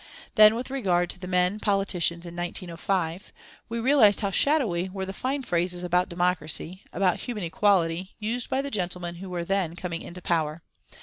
Then with regard to the men politicians in 1905: we realised how shadowy were the fine phrases about democracy, about human equality, used by the gentlemen who were then coming into power.